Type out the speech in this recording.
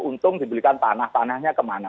untung dibelikan tanah tanahnya kemana